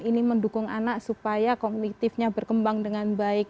ini mendukung anak supaya kognitifnya berkembang dengan baik